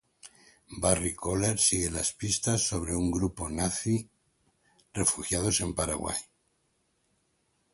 Barry Kohler sigue las pistas sobre un grupo nazi refugiados en Paraguay.